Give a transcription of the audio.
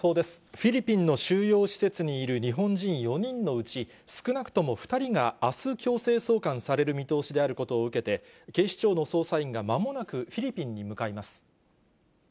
フィリピンの収容施設にいる日本人４人のうち、少なくとも２人があす強制送還される見通しであることを受けて、警視庁の捜査員がまもなくフィリピンに向かいます。